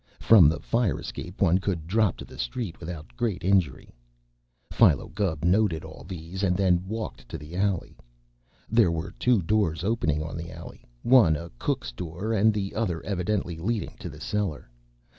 From the fire escape one could drop to the street without great injury. Philo Gubb noted all these, and then walked to the alley. There were two doors opening on the alley one a cook's door, and the other evidently leading to the cellar.